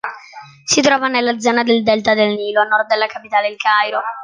Si trova nella zona del Delta del Nilo, a nord della capitale Il Cairo.